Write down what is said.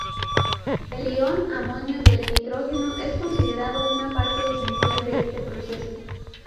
El ion amonio del nitrógeno es considerado una parte esencial de este proceso.